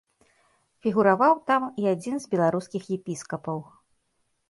Фігураваў там і адзін з беларускіх епіскапаў.